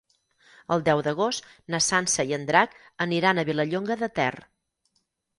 El deu d'agost na Sança i en Drac aniran a Vilallonga de Ter.